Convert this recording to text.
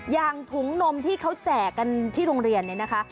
อย่างถุงนมที่เขาแจกกันที่โรงเรียนเนี่ยนะคะ